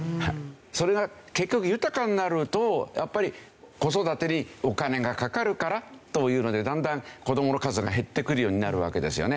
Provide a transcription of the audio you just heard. それが結局豊かになるとやっぱり子育てにお金がかかるからというのでだんだん子どもの数が減ってくるようになるわけですよね。